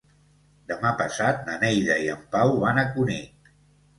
Demà passat na Neida i en Pau van a Cunit.